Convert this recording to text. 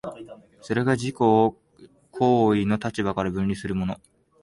それが自己を行為の立場から分離するのも、